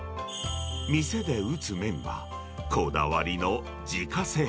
店で打つ麺は、こだわりの自家製。